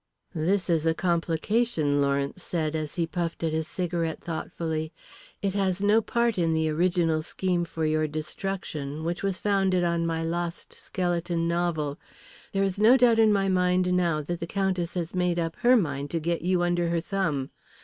"This is a complication," Lawrence said, as he puffed at his cigarette thoughtfully. "It has no part in the original scheme for your destruction, which was founded on my lost skeleton novel. There is no doubt in my mind now that the Countess has made up her mind to get you under her thumb.